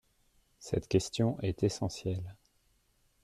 Cette question est essentielle.